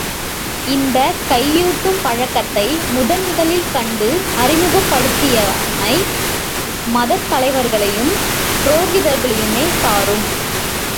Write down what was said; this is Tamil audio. இந்தக் கையூட்டுப் பழக்கத்தை முதன் முதலில் கண்டு அறிமுகப்படுத்தியமை மதத்தலைவர்களையும் புரோகிதர்களையுமே சாரும்.